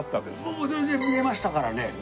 もう全然見えましたからね。